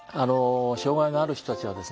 障害がある人たちはですね